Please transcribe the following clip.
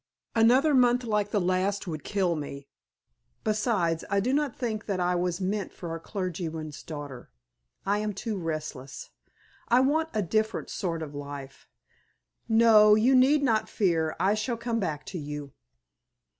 Another month like the last would kill me. Besides, I do not think that I was meant for a clergyman's daughter I am too restless. I want a different sort of life. No, you need not fear. I shall come back to you."